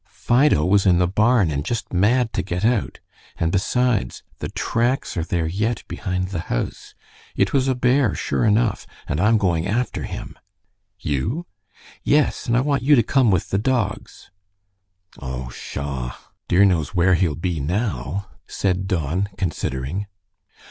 "Fido was in the barn, and just mad to get out; and besides, the tracks are there yet behind the house. It was a bear, sure enough, and I'm going after him." "You?" "Yes, and I want you to come with the dogs." "Oh, pshaw! Dear knows where he'll be now," said Don, considering.